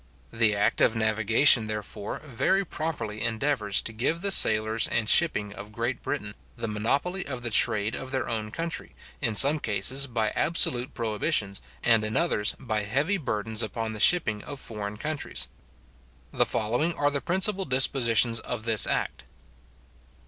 The act of navigation, therefore, very properly endeavours to give the sailors and shipping of Great Britain the monopoly of the trade of their own country, in some cases, by absolute prohibitions, and in others, by heavy burdens upon the shipping of foreign countries. The following are the principal dispositions of this act.